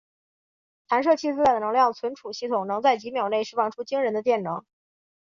弹射器自带的能量存储系统能在几秒内释放出惊人的电能。